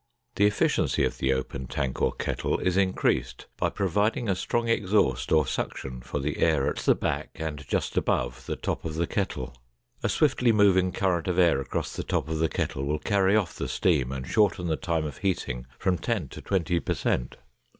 The efficiency of the open tank or kettle is increased by providing a strong exhaust or suction for the air at the back and just above the top of the kettle. A swiftly moving current of air across the top of the kettle will carry off the steam and shorten the time of heating from ten to twenty per cent.